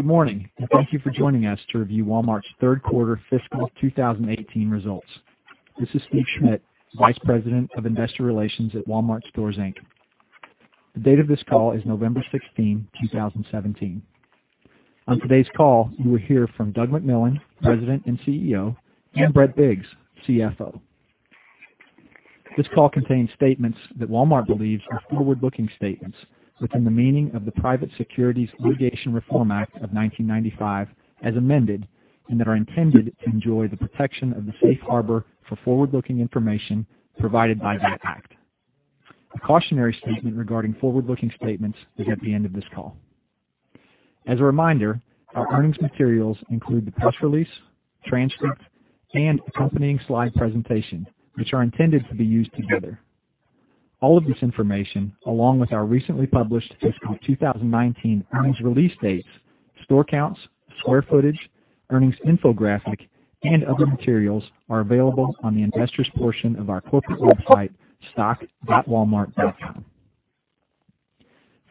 Good morning, and thank you for joining us to review Walmart's third quarter fiscal 2018 results. This is Steve Schmitt, Vice President of Investor Relations at Walmart Stores, Inc. The date of this call is November 16, 2017. On today's call, you will hear from Doug McMillon, President and CEO, and Brett Biggs, CFO. This call contains statements that Walmart believes are forward-looking statements within the meaning of the Private Securities Litigation Reform Act of 1995 as amended, that are intended to enjoy the protection of the safe harbor for forward-looking information provided by that act. A cautionary statement regarding forward-looking statements is at the end of this call. As a reminder, our earnings materials include the press release, transcript, and accompanying slide presentation, which are intended to be used together. This information, along with our recently published fiscal 2019 earnings release dates, store counts, square footage, earnings infographic, and other materials are available on the investors' portion of our corporate website, stock.walmart.com.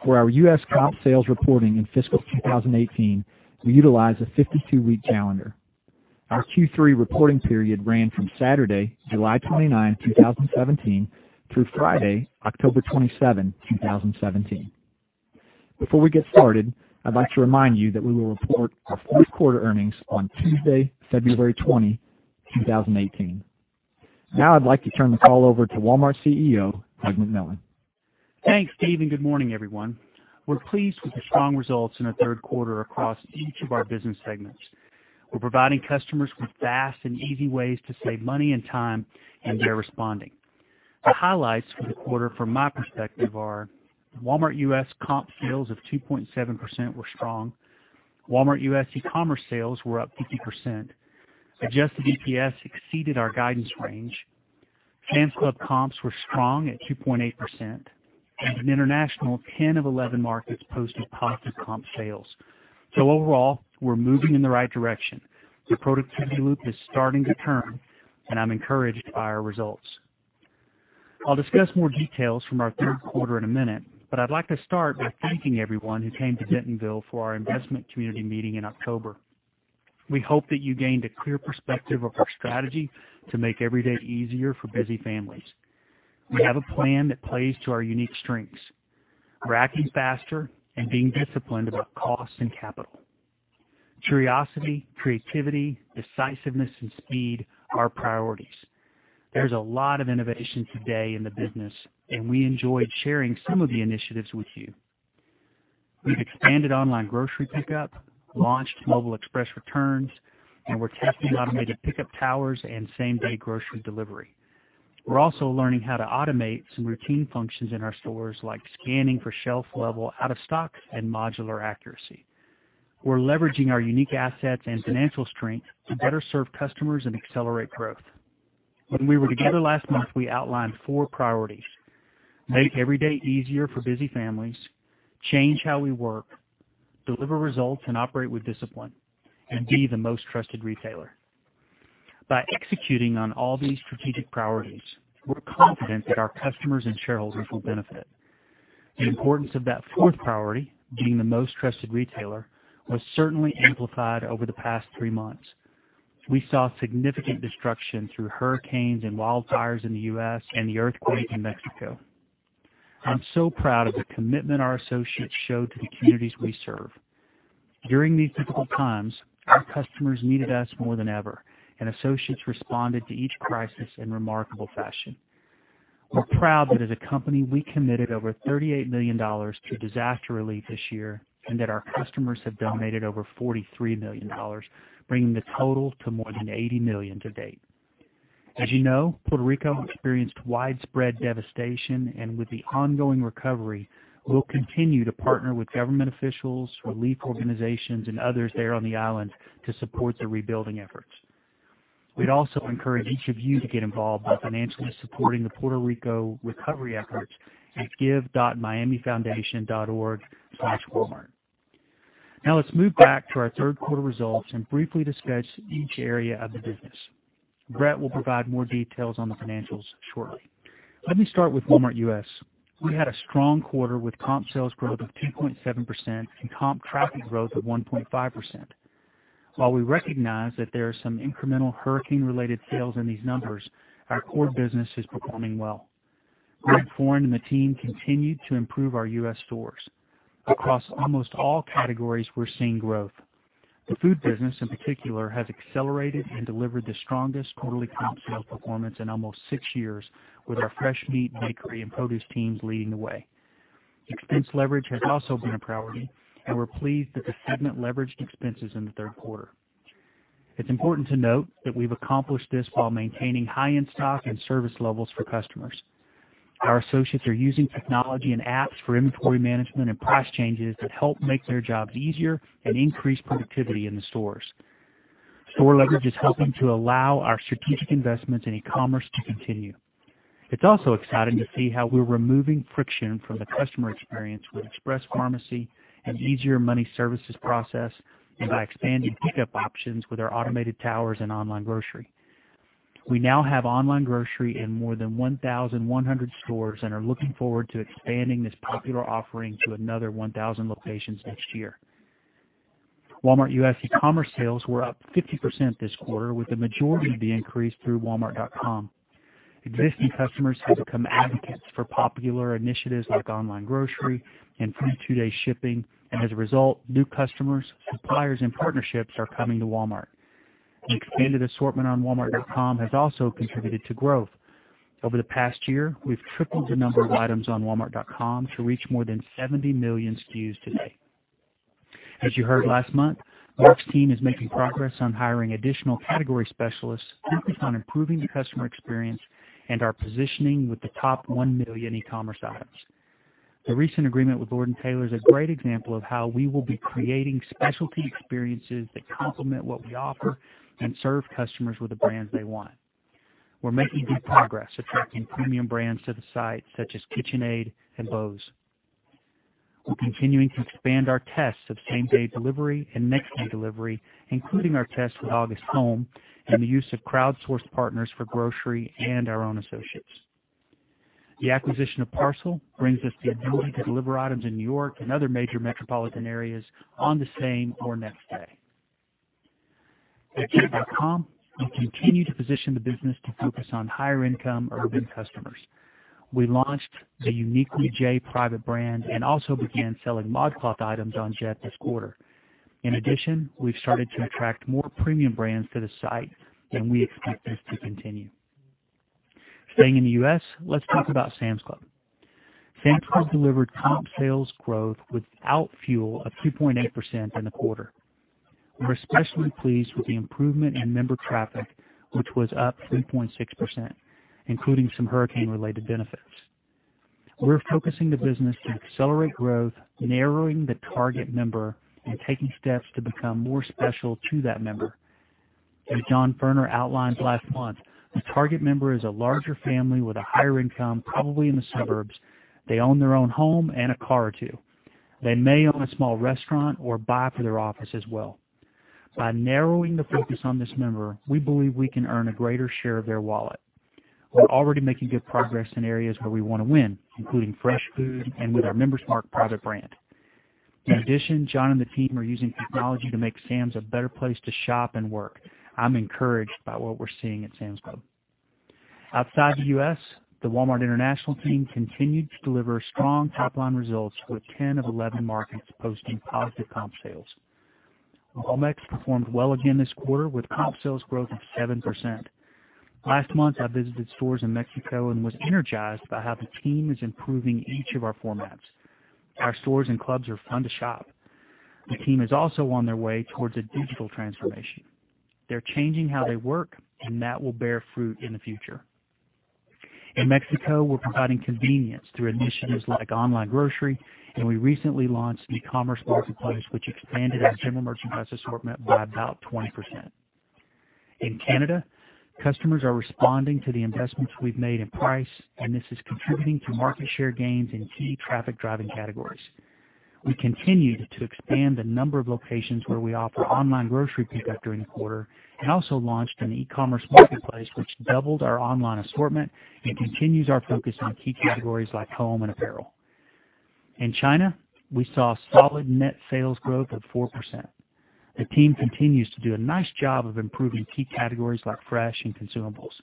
For our U.S. comp sales reporting in fiscal 2018, we utilize a 52-week calendar. Our Q3 reporting period ran from Saturday, July 29, 2017, through Friday, October 27, 2017. Before we get started, I'd like to remind you that we will report our fourth quarter earnings on Tuesday, February 20, 2018. I'd like to turn the call over to Walmart's CEO, Doug McMillon. Thanks, Steve, good morning, everyone. We're pleased with the strong results in our third quarter across each of our business segments. We're providing customers with fast and easy ways to save money and time, they're responding. The highlights for the quarter from my perspective are Walmart U.S. comp sales of 2.7% were strong. Walmart U.S. e-commerce sales were up 50%. Adjusted EPS exceeded our guidance range. Sam's Club comps were strong at 2.8%, in international, 10 of 11 markets posted positive comp sales. Overall, we're moving in the right direction. The productivity loop is starting to turn, I'm encouraged by our results. I'll discuss more details from our third quarter in a minute, but I'd like to start by thanking everyone who came to Bentonville for our investment community meeting in October. We hope that you gained a clear perspective of our strategy to make every day easier for busy families. We have a plan that plays to our unique strengths, tracking faster and being disciplined about cost and capital. Curiosity, creativity, decisiveness, and speed are priorities. There's a lot of innovation today in the business, we enjoyed sharing some of the initiatives with you. We've expanded Online Grocery Pickup, launched Mobile Express Returns, we're testing automated pickup towers and same-day grocery delivery. We're also learning how to automate some routine functions in our stores, like scanning for shelf level, out of stock, and modular accuracy. We're leveraging our unique assets and financial strength to better serve customers and accelerate growth. When we were together last month, we outlined four priorities, make every day easier for busy families, change how we work, deliver results and operate with discipline, and be the most trusted retailer. By executing on all these strategic priorities, we're confident that our customers and shareholders will benefit. The importance of that fourth priority, being the most trusted retailer, was certainly amplified over the past three months. We saw significant destruction through hurricanes and wildfires in the U.S. and the earthquake in Mexico. I'm so proud of the commitment our associates showed to the communities we serve. During these difficult times, our customers needed us more than ever, and associates responded to each crisis in remarkable fashion. We're proud that as a company, we committed over $38 million to disaster relief this year, and that our customers have donated over $43 million, bringing the total to more than $80 million to date. As you know, Puerto Rico experienced widespread devastation, and with the ongoing recovery, we'll continue to partner with government officials, relief organizations, and others there on the island to support the rebuilding efforts. We'd also encourage each of you to get involved by financially supporting the Puerto Rico recovery efforts at give.miamifoundation.org/walmart. Let's move back to our third quarter results and briefly discuss each area of the business. Brett will provide more details on the financials shortly. Let me start with Walmart U.S. We had a strong quarter with comp sales growth of 2.7% and comp traffic growth of 1.5%. While we recognize that there are some incremental hurricane-related sales in these numbers, our core business is performing well. Greg Foran and the team continued to improve our U.S. stores. Across almost all categories, we're seeing growth. The food business, in particular, has accelerated and delivered the strongest quarterly comp sales performance in almost six years with our fresh meat, bakery, and produce teams leading the way. Expense leverage has also been a priority, and we're pleased that the segment leveraged expenses in the third quarter. It's important to note that we've accomplished this while maintaining high in-stock and service levels for customers. Our associates are using technology and apps for inventory management and price changes that help make their jobs easier and increase productivity in the stores. Store leverage is helping to allow our strategic investments in eCommerce to continue. It's also exciting to see how we're removing friction from the customer experience with Express Pharmacy, an easier money services process, and by expanding pickup options with our automated towers and Online Grocery. We now have Online Grocery in more than 1,100 stores and are looking forward to expanding this popular offering to another 1,000 locations next year. Walmart U.S. eCommerce sales were up 50% this quarter, with the majority of the increase through walmart.com. Existing customers have become advocates for popular initiatives like Online Grocery and free two-day shipping, and as a result, new customers, suppliers, and partnerships are coming to Walmart. An expanded assortment on walmart.com has also contributed to growth. Over the past year, we've tripled the number of items on walmart.com to reach more than 70 million SKUs today. As you heard last month, Marc's team is making progress on hiring additional category specialists focused on improving the customer experience and are positioning with the top 1 million eCommerce items. The recent agreement with Lord & Taylor is a great example of how we will be creating specialty experiences that complement what we offer and serve customers with the brands they want. We're making good progress attracting premium brands to the site, such as KitchenAid and Bose. We're continuing to expand our tests of same-day delivery and next-day delivery, including our tests with August Home and the use of crowdsourced partners for grocery and our own associates. The acquisition of Parcel brings us the ability to deliver items in New York and other major metropolitan areas on the same or next day. At jet.com, we continue to position the business to focus on higher-income urban customers. We launched the Uniquely J private brand and also began selling ModCloth items on Jet this quarter. In addition, we've started to attract more premium brands to the site, and we expect this to continue. Staying in the U.S., let's talk about Sam's Club. Sam's Club delivered comp sales growth without fuel of 2.8% in the quarter. We're especially pleased with the improvement in member traffic, which was up 3.6%, including some hurricane-related benefits. We're focusing the business to accelerate growth, narrowing the target member, and taking steps to become more special to that member. As John Furner outlined last month, the target member is a larger family with a higher income, probably in the suburbs. They own their own home and a car or two. They may own a small restaurant or buy for their office as well. By narrowing the focus on this member, we believe we can earn a greater share of their wallet. We're already making good progress in areas where we want to win, including fresh food and with our Member's Mark private brand. In addition, John and the team are using technology to make Sam's a better place to shop and work. I'm encouraged by what we're seeing at Sam's Club. Outside the U.S., the Walmart International team continued to deliver strong top-line results, with 10 of 11 markets posting positive comp sales. Walmex performed well again this quarter with comp sales growth of 7%. Last month, I visited stores in Mexico and was energized by how the team is improving each of our formats. Our stores and clubs are fun to shop. The team is also on their way towards a digital transformation. They're changing how they work. That will bear fruit in the future. In Mexico, we're providing convenience through initiatives like Online Grocery, and we recently launched an eCommerce marketplace, which expanded our general merchandise assortment by about 20%. In Canada, customers are responding to the investments we've made in price, and this is contributing to market share gains in key traffic-driving categories. We continued to expand the number of locations where we offer Online Grocery Pickup during the quarter and also launched an eCommerce marketplace, which doubled our online assortment and continues our focus on key categories like home and apparel. In China, we saw solid net sales growth of 4%. The team continues to do a nice job of improving key categories like fresh and consumables.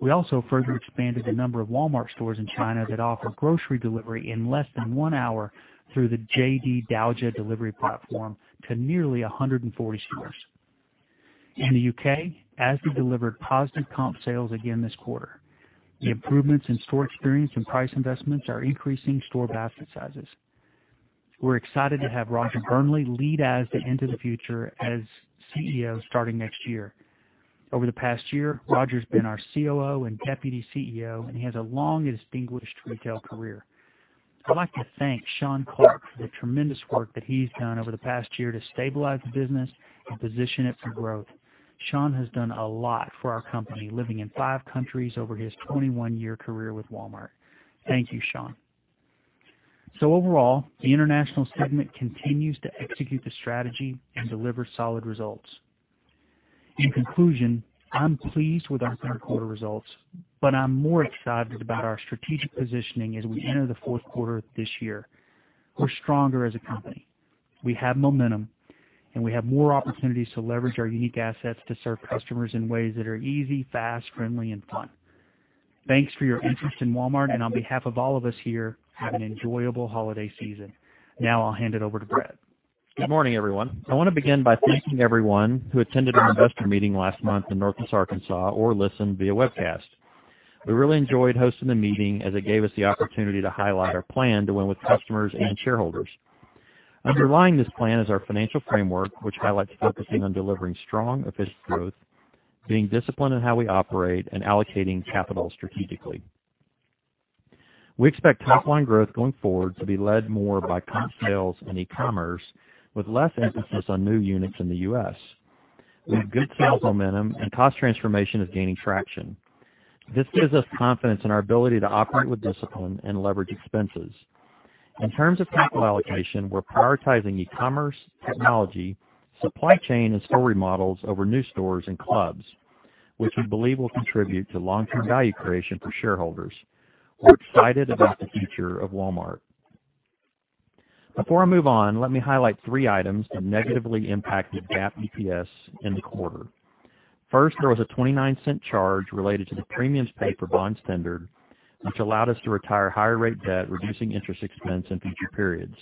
We also further expanded the number of Walmart stores in China that offer grocery delivery in less than one hour through the JD Daojia delivery platform to nearly 140 stores. In the U.K., Asda delivered positive comp sales again this quarter. The improvements in store experience and price investments are increasing store basket sizes. We're excited to have Roger Burnley lead Asda into the future as CEO starting next year. Over the past year, Roger's been our COO and Deputy CEO, and he has a long and distinguished retail career. I'd like to thank Sean Clarke for the tremendous work that he's done over the past year to stabilize the business and position it for growth. Sean has done a lot for our company, living in five countries over his 21-year career with Walmart. Thank you, Sean. Overall, the international segment continues to execute the strategy and deliver solid results. In conclusion, I'm pleased with our third quarter results, but I'm more excited about our strategic positioning as we enter the fourth quarter this year. We're stronger as a company. We have momentum, and we have more opportunities to leverage our unique assets to serve customers in ways that are easy, fast, friendly, and fun. Thanks for your interest in Walmart, and on behalf of all of us here, have an enjoyable holiday season. Now, I'll hand it over to Brett. Good morning, everyone. I want to begin by thanking everyone who attended our investor meeting last month in Northwest Arkansas or listened via webcast. We really enjoyed hosting the meeting as it gave us the opportunity to highlight our plan to win with customers and shareholders. Underlying this plan is our financial framework, which highlights focusing on delivering strong, efficient growth, being disciplined in how we operate, and allocating capital strategically. We expect top-line growth going forward to be led more by comp sales and eCommerce, with less emphasis on new units in the U.S. We have good sales momentum, and cost transformation is gaining traction. This gives us confidence in our ability to operate with discipline and leverage expenses. In terms of capital allocation, we're prioritizing e-commerce, technology, supply chain, and store remodels over new stores and clubs, which we believe will contribute to long-term value creation for shareholders. We're excited about the future of Walmart. Before I move on, let me highlight three items that negatively impacted GAAP EPS in the quarter. First, there was a $0.29 charge related to the premiums paid for bonds tendered, which allowed us to retire higher rate debt, reducing interest expense in future periods.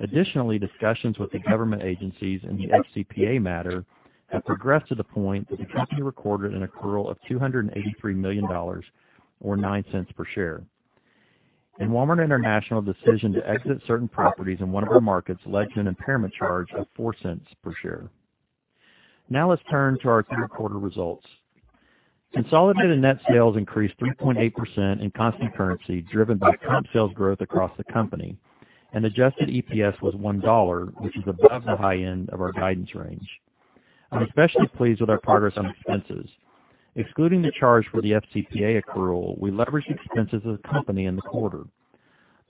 Additionally, discussions with the government agencies in the FCPA matter have progressed to the point that the company recorded an accrual of $283 million or $0.09 per share. In Walmart International decision to exit certain properties in one of our markets led to an impairment charge of $0.04 per share. Now let's turn to our third quarter results. Consolidated net sales increased 3.8% in constant currency driven by comp sales growth across the company, and adjusted EPS was $1, which is above the high end of our guidance range. I'm especially pleased with our progress on expenses. Excluding the charge for the FCPA accrual, we leveraged expenses as a company in the quarter.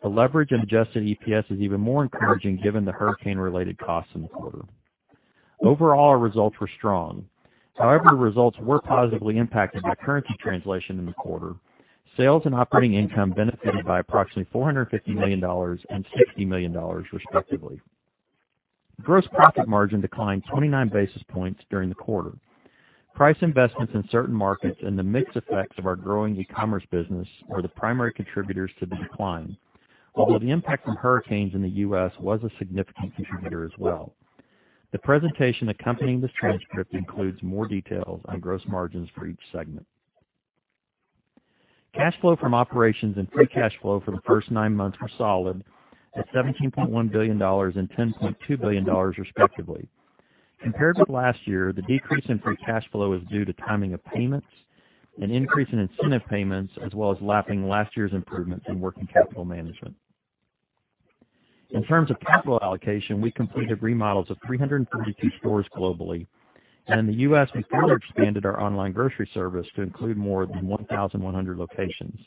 The leverage in adjusted EPS is even more encouraging given the hurricane-related costs in the quarter. Overall, our results were strong. However, the results were positively impacted by currency translation in the quarter. Sales and operating income benefited by approximately $450 million and $60 million, respectively. Gross profit margin declined 29 basis points during the quarter. Price investments in certain markets and the mix effects of our growing e-commerce business were the primary contributors to the decline. Although the impact from hurricanes in the U.S. was a significant contributor as well. The presentation accompanying this transcript includes more details on gross margins for each segment. Cash flow from operations and free cash flow for the first nine months were solid at $17.1 billion and $10.2 billion, respectively. Compared with last year, the decrease in free cash flow is due to timing of payments, an increase in incentive payments, as well as lapping last year's improvements in working capital management. In terms of capital allocation, we completed remodels of 332 stores globally, and in the U.S., we further expanded our Online Grocery service to include more than 1,100 locations.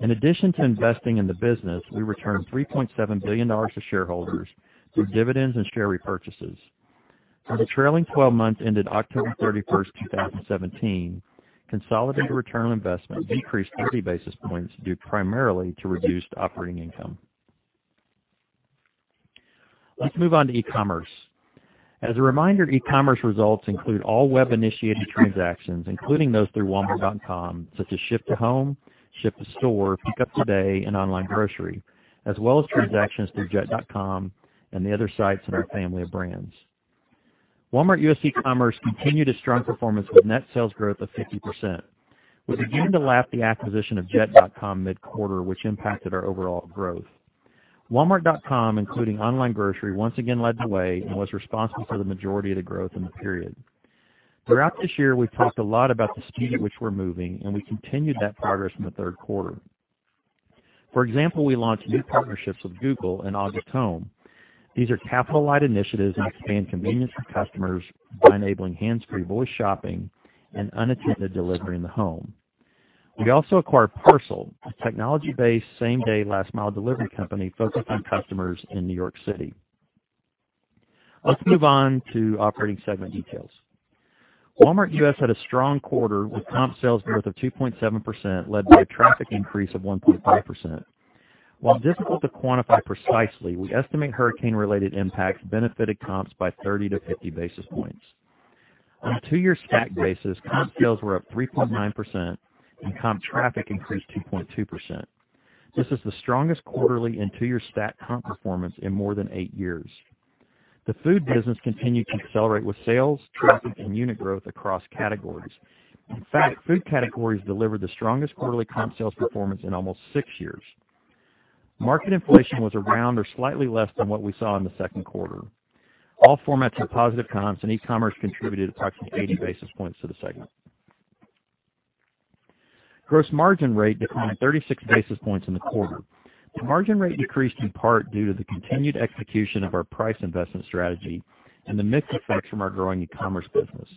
In addition to investing in the business, we returned $3.7 billion to shareholders through dividends and share repurchases. For the trailing 12 months ended October 31st, 2017, consolidated return on investment decreased 50 basis points, due primarily to reduced operating income. Let's move on to e-commerce. As a reminder, e-commerce results include all web-initiated transactions, including those through walmart.com, such as Ship to Home, Ship to Store, Pickup Today, and Online Grocery, as well as transactions through jet.com and the other sites in our family of brands. Walmart U.S. e-commerce continued its strong performance with net sales growth of 50%. We began to lap the acquisition of jet.com mid-quarter, which impacted our overall growth. walmart.com, including Online Grocery, once again led the way and was responsible for the majority of the growth in the period. Throughout this year, we've talked a lot about the speed at which we're moving, and we continued that progress in the third quarter. For example, we launched new partnerships with Google and August Home. These are capital-light initiatives that expand convenience for customers by enabling hands-free voice shopping and unattended delivery in the home. We also acquired Parcel, a technology-based same-day, last-mile delivery company focused on customers in New York City. Let's move on to operating segment details. Walmart U.S. had a strong quarter with comp sales growth of 2.7%, led by a traffic increase of 1.5%. While difficult to quantify precisely, we estimate hurricane-related impacts benefited comps by 30 to 50 basis points. On a two-year stack basis, comp sales were up 3.9% and comp traffic increased 2.2%. This is the strongest quarterly and two-year stack comp performance in more than eight years. The food business continued to accelerate with sales, traffic, and unit growth across categories. In fact, food categories delivered the strongest quarterly comp sales performance in almost six years. Market inflation was around or slightly less than what we saw in the second quarter. All formats had positive comps, and e-commerce contributed approximately 80 basis points to the segment. Gross margin rate declined 36 basis points in the quarter. The margin rate decreased in part due to the continued execution of our price investment strategy and the mix effects from our growing e-commerce business.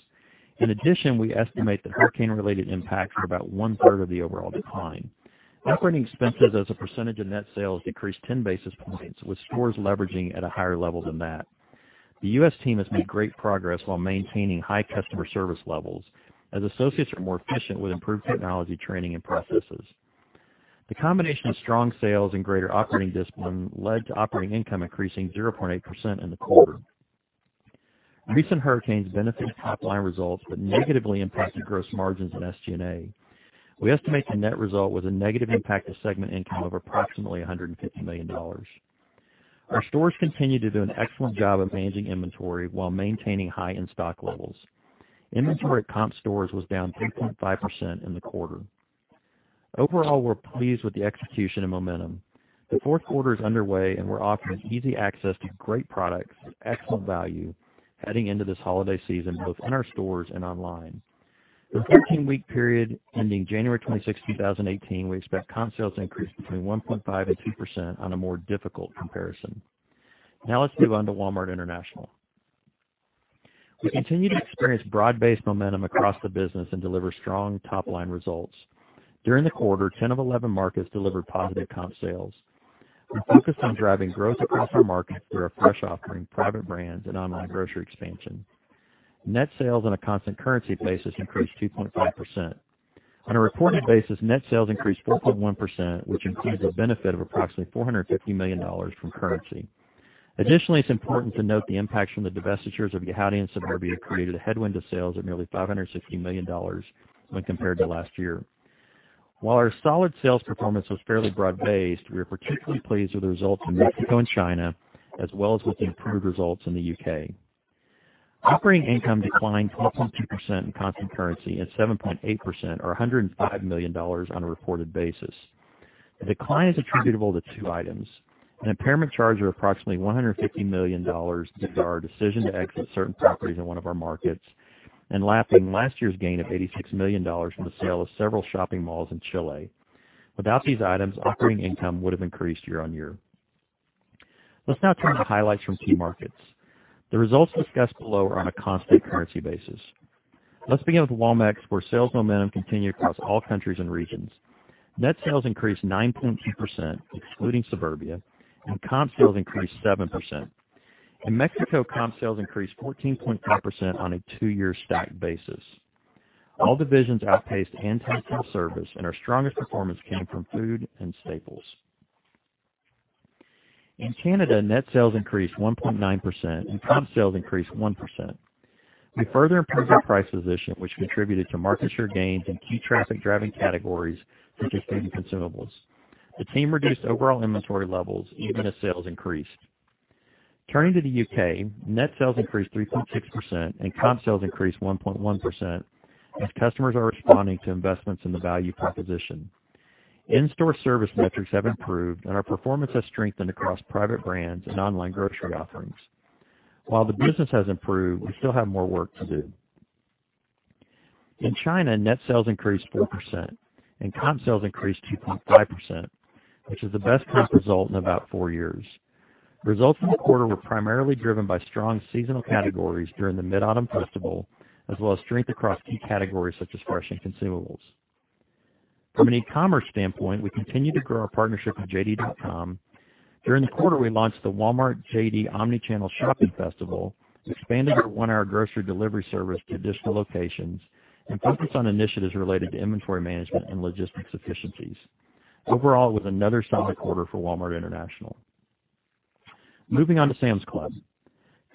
In addition, we estimate that hurricane-related impacts are about one-third of the overall decline. Operating expenses as a percentage of net sales decreased 10 basis points, with stores leveraging at a higher level than that. The U.S. team has made great progress while maintaining high customer service levels, as associates are more efficient with improved technology, training, and processes. The combination of strong sales and greater operating discipline led to operating income increasing 0.8% in the quarter. Recent hurricanes benefited top-line results but negatively impacted gross margins and SG&A. We estimate the net result was a negative impact to segment income of approximately $150 million. Our stores continue to do an excellent job of managing inventory while maintaining high in-stock levels. Inventory at comp stores was down 3.5% in the quarter. Overall, we're pleased with the execution and momentum. The fourth quarter is underway, and we're offering easy access to great products with excellent value heading into this holiday season, both in our stores and online. For the 13-week period ending January 26, 2018, we expect comp sales to increase between 1.5% and 2% on a more difficult comparison. Let's move on to Walmart International. We continue to experience broad-based momentum across the business and deliver strong top-line results. During the quarter, 10 of 11 markets delivered positive comp sales. We focused on driving growth across our markets through our fresh offering, private brands, and Online Grocery expansion. Net sales on a constant currency basis increased 2.5%. On a reported basis, net sales increased 4.1%, which includes a benefit of approximately $450 million from currency. Additionally, it's important to note the impacts from the divestitures of Yihaodian and Suburbia created a headwind to sales of nearly $560 million when compared to last year. While our solid sales performance was fairly broad-based, we are particularly pleased with the results in Mexico and China, as well as with the improved results in the U.K. Operating income declined 12.2% in constant currency and 7.8%, or $105 million, on a reported basis. The decline is attributable to two items, an impairment charge of approximately $150 million due to our decision to exit certain properties in one of our markets and lapping last year's gain of $86 million from the sale of several shopping malls in Chile. Without these items, operating income would have increased year on year. Let's now turn to highlights from key markets. The results discussed below are on a constant currency basis. Let's begin with Walmex, where sales momentum continued across all countries and regions. Net sales increased 9.2%, excluding Suburbia, and comp sales increased 7%. In Mexico, comp sales increased 14.5% on a two-year stacked basis. All divisions outpaced ANTAD self-service, and our strongest performance came from food and staples. In Canada, net sales increased 1.9% and comp sales increased 1%. We further improved our price position, which contributed to market share gains in key traffic-driving categories such as food and consumables. The team reduced overall inventory levels even as sales increased. Turning to the U.K., net sales increased 3.6% and comp sales increased 1.1% as customers are responding to investments in the value proposition. In-store service metrics have improved, and our performance has strengthened across private brands and Online Grocery offerings. While the business has improved, we still have more work to do. In China, net sales increased 4% and comp sales increased 2.5%, which is the best comp result in about four years. Results from the quarter were primarily driven by strong seasonal categories during the Mid-Autumn Festival, as well as strength across key categories such as fresh and consumables. From an eCommerce standpoint, we continue to grow our partnership with JD.com. During the quarter, we launched the Walmart-JD Omni-Channel Shopping Festival, expanded our one-hour grocery delivery service to additional locations, and focused on initiatives related to inventory management and logistics efficiencies. Overall, it was another solid quarter for Walmart International. Moving on to Sam's Club.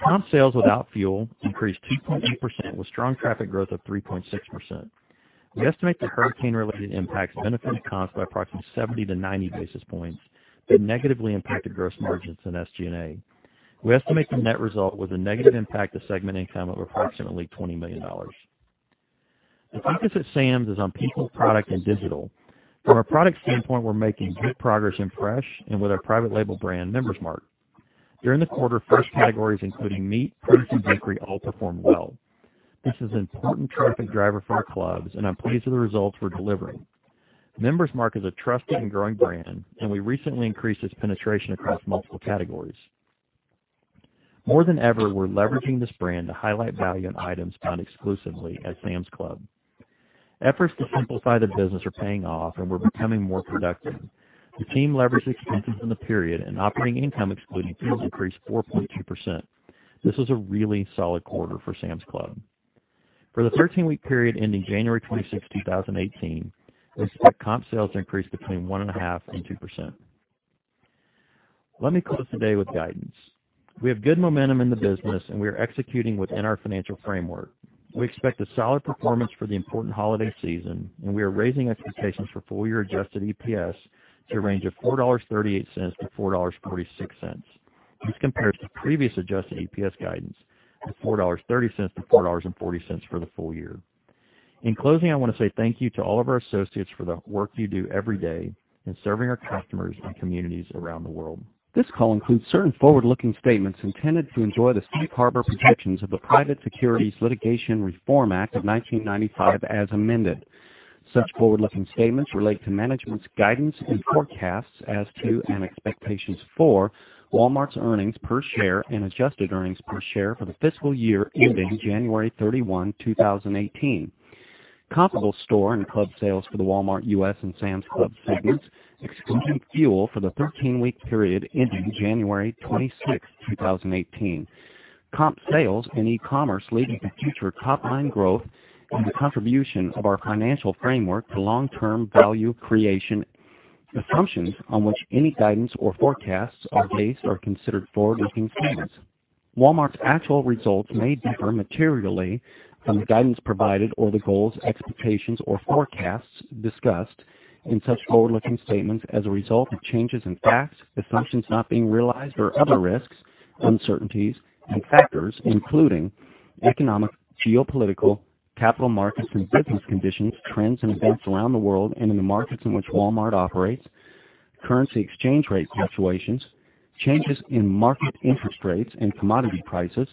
Comp sales without fuel increased 2.8%, with strong traffic growth of 3.6%. We estimate that hurricane-related impacts benefited comps by approximately 70 to 90 basis points that negatively impacted gross margins in SG&A. We estimate the net result was a negative impact to segment income of approximately $20 million. The focus at Sam's is on people, product, and digital. From a product standpoint, we're making good progress in fresh and with our private label brand, Member's Mark. During the quarter, fresh categories including meat, produce, and bakery all performed well. This is an important traffic driver for our clubs, and I'm pleased with the results we're delivering. Member's Mark is a trusted and growing brand, and we recently increased its penetration across multiple categories. More than ever, we're leveraging this brand to highlight value on items found exclusively at Sam's Club. Efforts to simplify the business are paying off, and we're becoming more productive. The team leveraged expenses in the period and operating income excluding fuel increased 4.2%. This was a really solid quarter for Sam's Club. For the 13-week period ending January 26, 2018, we expect comp sales to increase between 1.5 and 2%. Let me close today with guidance. We have good momentum in the business, and we are executing within our financial framework. We expect a solid performance for the important holiday season, and we are raising expectations for full-year adjusted EPS to a range of $4.38 to $4.46. This compares to previous adjusted EPS guidance of $4.30 to $4.40 for the full year. In closing, I want to say thank you to all of our associates for the work you do every day in serving our customers and communities around the world. This call includes certain forward-looking statements intended to enjoy the safe harbor protections of the Private Securities Litigation Reform Act of 1995 as amended. Such forward-looking statements relate to management's guidance and forecasts as to, and expectations for, Walmart's earnings per share and adjusted earnings per share for the fiscal year ending January 31, 2018. Comparable store and club sales for the Walmart U.S. and Sam's Club segments, excluding fuel for the 13-week period ending January 26, 2018. Comp sales and eCommerce leading to future top-line growth and the contribution of our financial framework to long-term value creation. Assumptions on which any guidance or forecasts are based are considered forward-looking statements. Walmart's actual results may differ materially from the guidance provided or the goals, expectations, or forecasts discussed in such forward-looking statements as a result of changes in facts, assumptions not being realized or other risks, uncertainties, and factors including economic, geopolitical, capital markets and business conditions, trends and events around the world and in the markets in which Walmart operates, currency exchange rate fluctuations, changes in market interest rates and commodity prices,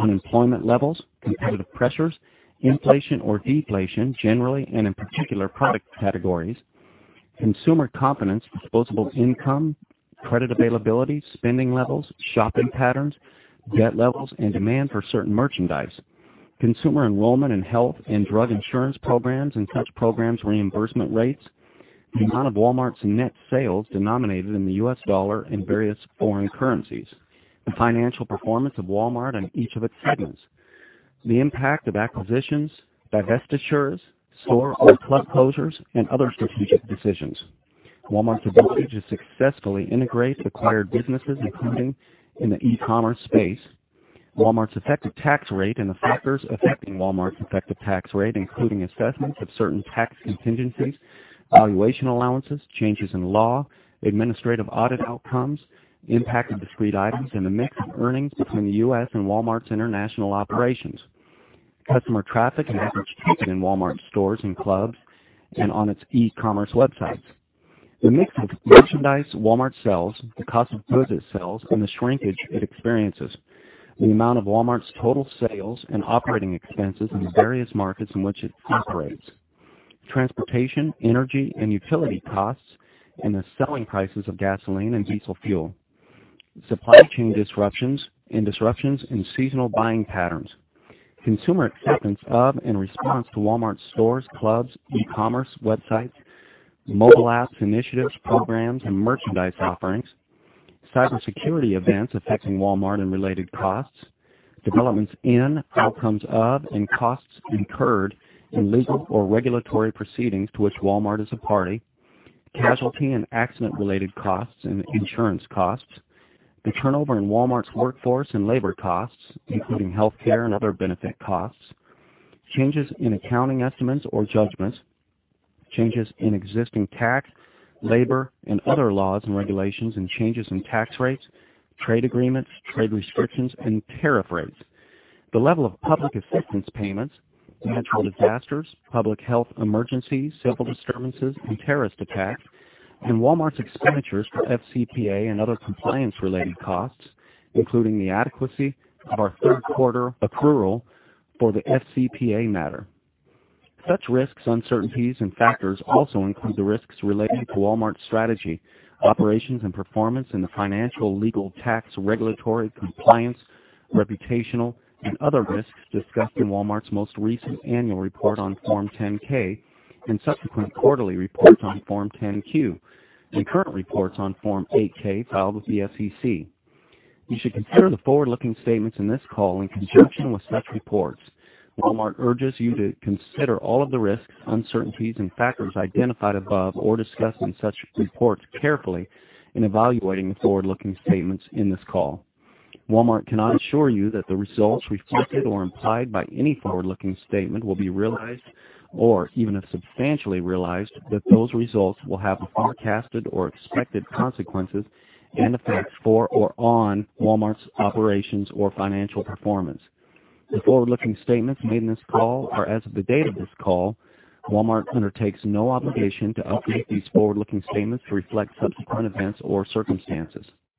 unemployment levels, competitive pressures, inflation or deflation, generally and in particular product categories. Consumer confidence, disposable income, credit availability, spending levels, shopping patterns, debt levels, and demand for certain merchandise. Consumer enrollment in health and drug insurance programs and such programs' reimbursement rates. The amount of Walmart's net sales denominated in the U.S. dollar and various foreign currencies. The financial performance of Walmart and each of its segments. The impact of acquisitions, divestitures, store or club closures, and other strategic decisions. Walmart's ability to successfully integrate acquired businesses, including in the e-commerce space. Walmart's effective tax rate and the factors affecting Walmart's effective tax rate, including assessments of certain tax contingencies, valuation allowances, changes in law, administrative audit outcomes, the impact of discrete items, and the mix of earnings between the U.S. and Walmart's international operations. Customer traffic and average ticket in Walmart stores and clubs and on its e-commerce websites. The mix of merchandise Walmart sells, the cost of goods it sells, and the shrinkage it experiences. The amount of Walmart's total sales and operating expenses in the various markets in which it operates. Transportation, energy, and utility costs and the selling prices of gasoline and diesel fuel. Supply chain disruptions and disruptions in seasonal buying patterns. Consumer acceptance of and response to Walmart stores, clubs, e-commerce websites, mobile apps, initiatives, programs, and merchandise offerings. Cybersecurity events affecting Walmart and related costs. Developments in, outcomes of, and costs incurred in legal or regulatory proceedings to which Walmart is a party. Casualty and accident-related costs and insurance costs. The turnover in Walmart's workforce and labor costs, including healthcare and other benefit costs. Changes in accounting estimates or judgments. Changes in existing tax, labor, and other laws and regulations and changes in tax rates, trade agreements, trade restrictions, and tariff rates. The level of public assistance payments, natural disasters, public health emergencies, civil disturbances, and terrorist attacks, and Walmart's expenditures for FCPA and other compliance-related costs, including the adequacy of our third quarter accrual for the FCPA matter. Such risks, uncertainties, and factors also include the risks related to Walmart's strategy, operations, and performance in the financial, legal, tax, regulatory, compliance, reputational, and other risks discussed in Walmart's most recent annual report on Form 10-K and subsequent quarterly reports on Form 10-Q and current reports on Form 8-K filed with the SEC. You should consider the forward-looking statements in this call in conjunction with such reports. Walmart urges you to consider all of the risks, uncertainties, and factors identified above or discussed in such reports carefully in evaluating the forward-looking statements in this call. Walmart cannot assure you that the results reflected or implied by any forward-looking statement will be realized or, even if substantially realized, that those results will have the forecasted or expected consequences and effects for or on Walmart's operations or financial performance. The forward-looking statements made in this call are as of the date of this call. Walmart undertakes no obligation to update these forward-looking statements to reflect subsequent events or circumstances.